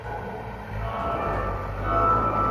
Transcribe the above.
کُنت په مشاهده او آزموينه ټينګار کاوه.